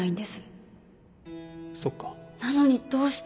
なのにどうして？